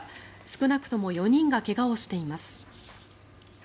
少なくとも４人が怪我をしています。